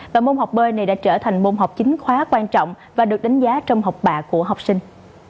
và môn học bơi này đã trở thành môn học chính khóa quan trọng và được đánh giá trong học bạ của học sinh